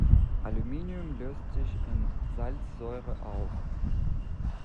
Aluminium löst sich in Salzsäure auf.